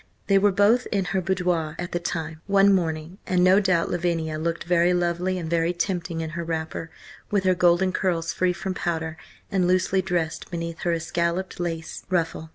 They were both in her boudoir at the time, one morning, and no doubt Lavinia looked very lovely and very tempting in her wrapper, with her golden curls free from powder and loosely dressed beneath her escalloped lace ruffle.